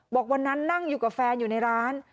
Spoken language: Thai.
บอกวันนั้นนั่งอยู่กับแฟนอยู่ในร้าน